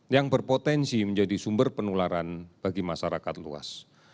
yang berpotensi menjadi sumber penularan bagi masyarakat luas